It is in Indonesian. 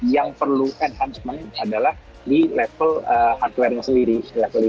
yang perlu enhancement adalah di level hardware nya sendiri